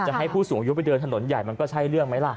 ให้ผู้สูงอายุไปเดินถนนใหญ่มันก็ใช่เรื่องไหมล่ะ